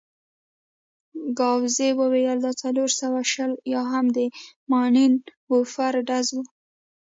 ګاووزي وویل: دا څلور سوه شل یا هم د ماينين ورفر ډز وو.